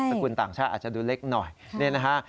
สกุลต่างชาติอาจจะดูเล็กหน่อยนี่นะฮะ